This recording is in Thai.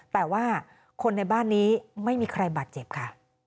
แต่ว่าคนในบ้านนี้ไม่มีใครบาดเจ็บค่ะ